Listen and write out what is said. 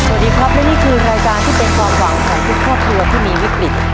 สวัสดีครับและนี่คือรายการที่เป็นความหวังของทุกครอบครัวที่มีวิกฤต